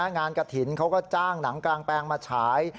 กระถิ่นเขาก็จ้างหนังกลางแปลงมาฉาย